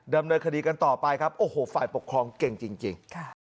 ดำเนินคดีกันต่อไปครับโอ้โหฝ่ายปกครองเก่งจริง